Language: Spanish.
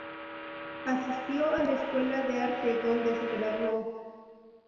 Asistió a la escuela de arte donde se graduó.